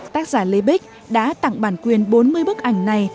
tác giả lê bích đã tặng bản quyền bốn mươi bức ảnh này